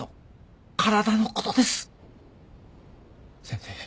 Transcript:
先生。